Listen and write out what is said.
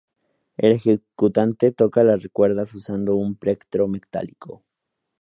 El ejecutante toca las cuerdas usando un plectro metálico.